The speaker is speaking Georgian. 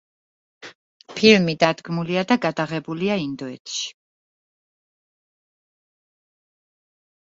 ფილმი დადგმულია და გადაღებულია ინდოეთში.